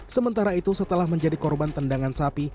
sementara itu setelah menjadi korban tendangan sapi